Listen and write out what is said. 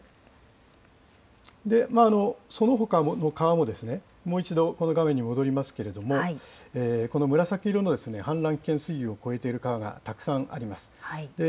そのほかの川も、もう一度この画面に戻りますけれども、この紫色の氾濫危険水位を超えている川がたくさんあります。